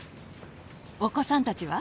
お子さんたちは？